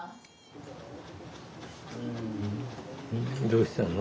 どうしたの？